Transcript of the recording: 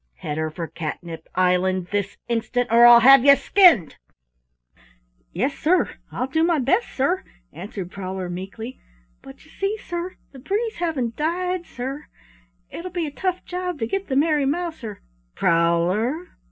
Head her for Catnip Island this instant, or I'll have ye skinned!" "Yes, sir, I'll do my best, sir," answered Prowler meekly. "But you see, sir, the breeze havin' died, sir, it'll be a tough job to get the Merry Mouser " "Prowler!"